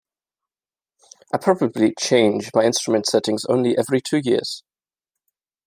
I probably change my instrument settings only every two years.